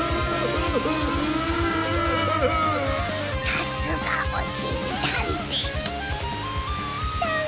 さすがおしりたんていさん。